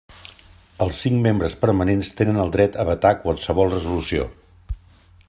Els cinc membres permanents tenen el dret a vetar qualsevol resolució.